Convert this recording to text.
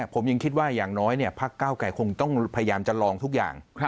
ผมยังคิดว่าอย่างน้อยพักเก้าไกรคงต้องพยายามจะลองทุกอย่าง